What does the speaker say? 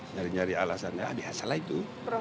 nyari nyari alasan ya biasa lah itu